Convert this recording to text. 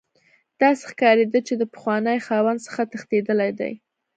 داسې ښکاریده چې د پخواني خاوند څخه تښتیدلی دی